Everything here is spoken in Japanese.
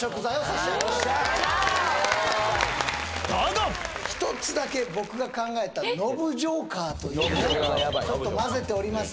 すごいだが１つだけ僕が考えたノブジョーカーというちょっとまぜております